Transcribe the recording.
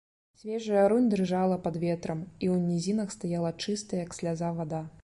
Свежая рунь дрыжала пад ветрам, і ў нізінах стаяла чыстая, як сляза, вада.